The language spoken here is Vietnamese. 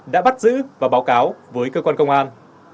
đã bắt giữ và báo cáo với cơ quan công an